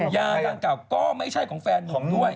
ยางเก่าก็ไม่ใช่ของแฟนนุ่มด้วย